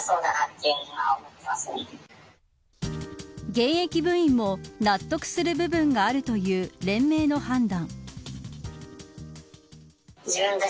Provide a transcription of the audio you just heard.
現役部員も納得する部分があるという連盟の判断。